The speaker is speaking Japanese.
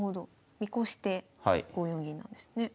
見越して５四銀なんですね。